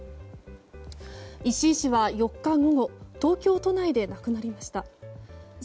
石井氏は４日午後東京都内で亡くなりました。